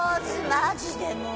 マジでもう。